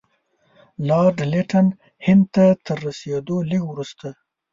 لارډ لیټن هند ته تر رسېدلو لږ وروسته.